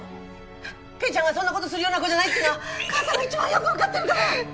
ケイちゃんがそんな事するような子じゃないっていうのは母さんが一番よくわかってるから！